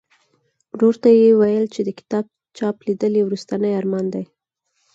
ورور ته یې ویل چې د کتاب چاپ لیدل یې وروستنی ارمان دی.